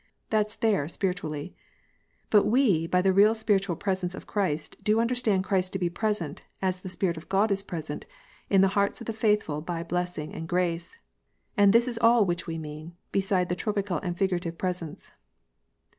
That s their spiritu ally. But we by the real spiritual presence of Christ do under stand Christ to be present, as the Spirit of God is present, in the hearts of the faithful by blessing and grace ; and this is all which we mean beside the tropecal and figurative presence."